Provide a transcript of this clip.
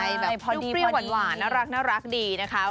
พอดีขอเนี๊ยวเปรี้ยวหว่านหวานน่ารักนี่ดีนะคะ